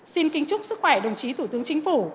xin kính chúc sức khỏe đồng chí thủ tướng chính phủ